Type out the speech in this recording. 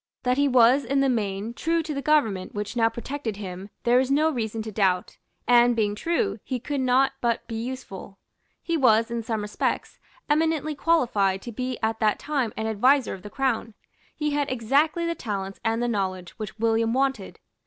That he was in the main true to the government which now protected him there is no reason to doubt; and, being true, he could not but be useful. He was, in some respects, eminently qualified to be at that time an adviser of the Crown. He had exactly the talents and the knowledge which William wanted.